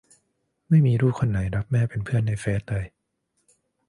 ไม่มีลูกคนไหนรับแม่เป็นเพื่อนในเฟซเลย